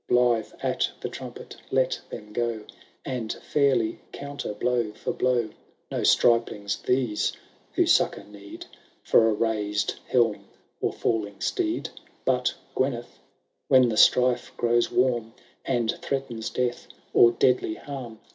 Blithe at the trumpet let them go. And furly counter blow for blow ,— No striplings these, who succour need For a razed helm or falling steed. But, Gyneth, when the strife grows warm. And threatens death or deadly harm.